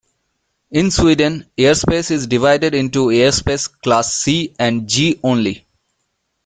In Sweden, airspace is divided into airspace class C and G only.